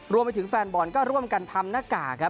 รวมไปถึงแฟนบอลก็ร่วมกันทำหน้ากากครับ